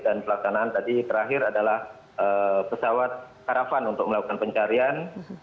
dan pelaksanaan tadi terakhir adalah pesawat harapan untuk melakukan pencarian